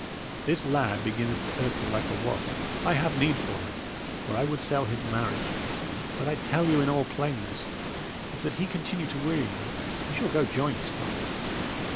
This lad beginneth to irk me like a wasp. I have a need for him, for I would sell his marriage. But I tell you, in all plainness, if that he continue to weary me, he shall go join his father.